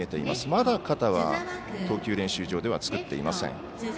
まだ肩は投球練習場では作っていません。